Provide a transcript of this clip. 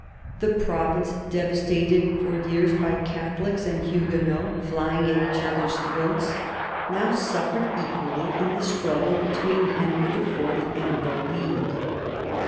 The province, devastated for years by Catholics and Huguenots flying at each other's throats, now suffered equally in the struggle between Henry IV. and the League.